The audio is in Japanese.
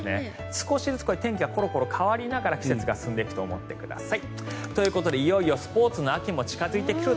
少しずつ天気がコロコロ変わりながら季節が進んでいくと思ってください。